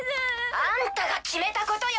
あんたが決めたことよ！